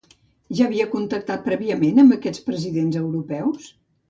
Ja havia contactat prèviament amb aquests presidents europeus?